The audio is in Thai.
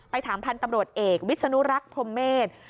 ถามพันธุ์ตำรวจเอกวิศนุรักษ์พรมเมษ